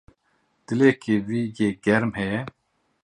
Dilekî wî yê germ heye.